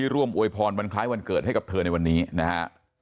อวยพรวันคล้ายวันเกิดให้กับเธอในวันนี้นะฮะ